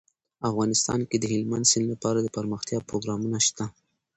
افغانستان کې د هلمند سیند لپاره دپرمختیا پروګرامونه شته.